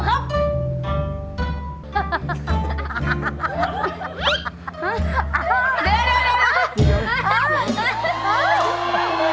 ห้าเดี๋ยว